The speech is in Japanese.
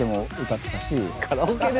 カラオケですよ！